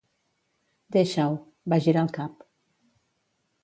Deixa-ho; va girar el cap.